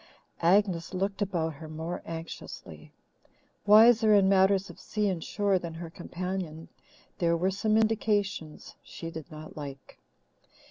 Agnes looked about her more anxiously. Wiser in matters of sea and shore than her companion, there were some indications she did not like.